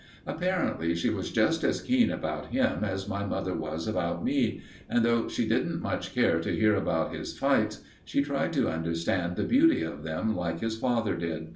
Apparently she was just as keen about him as my mother was about me, and though she didn't much care to hear about his fights, she tried to understand the beauty of them like his father did.